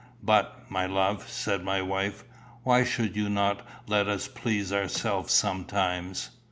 "But, my love," said my wife, "why should you not let us please ourselves sometimes?